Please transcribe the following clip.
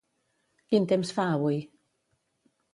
quin temps fa avui?